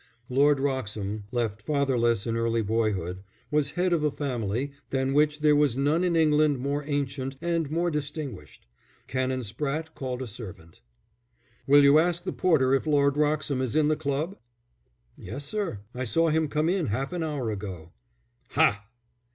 Lord Wroxham, left fatherless in early boyhood, was head of a family than which there was none in England more ancient and more distinguished. Canon Spratte called a servant. "Will you ask the porter if Lord Wroxham is in the club?" "Yes, sir. I saw him come in half an hour ago." "Ha!"